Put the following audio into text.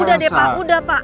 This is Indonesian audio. udah deh pak buddha pak